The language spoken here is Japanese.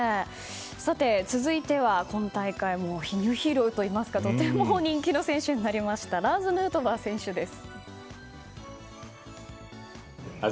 続いては今大会ニューヒーローといいますかとても人気の選手になりましたラーズ・ヌートバー選手です。